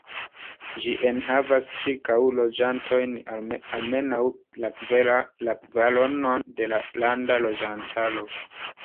Ĝi enhavas ĉirkaŭ loĝantojn, almenaŭ la kvaronon de la landa loĝantaro.